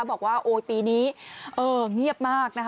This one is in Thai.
บอกว่าโอ๊ยปีนี้เงียบมากนะคะ